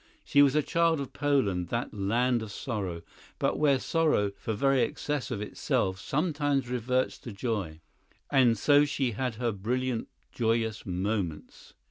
She was a child of Poland, that land of sorrow, but where sorrow, for very excess of itself, sometimes reverts to joy. And so she had her brilliant joyous moments.